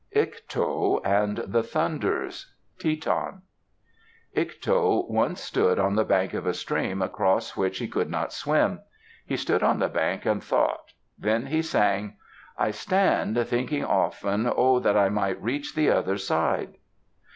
IKTO AND THE THUNDERS Teton Ikto once stood on the bank of a stream across which he could not swim. He stood on the bank and thought. Then he sang: I stand, Thinking often, Oh, that I might reach the other side.